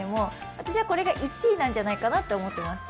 私はこれが１位なんじゃないかなと思ってます。